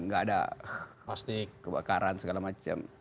tidak ada kebakaran segala macam